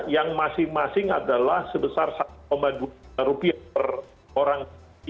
yang masing masing adalah sebesar satu dua juta rupiah per orang